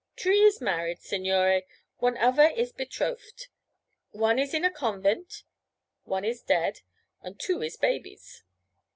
'Tree is married, signore, one uvver is betrofed, one is in a convent, one is dead, and two is babies.'